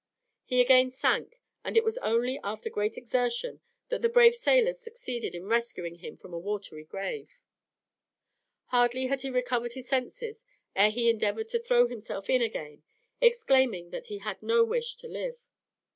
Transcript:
He again sank, and it was only after great exertion that the brave sailors succeeded in rescuing him from a watery grave. Hardly had he recovered his senses ere he endeavoured to throw himself in again, exclaiming that he had no wish to live.